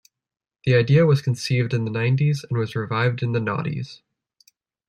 The idea was conceived in the nineties and was revived in the naughties.